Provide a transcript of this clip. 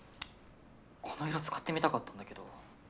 この色使ってみたかったんだけど。